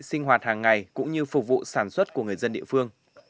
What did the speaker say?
sinh hoạt hàng ngày cũng như phục vụ sản xuất của người dân địa phương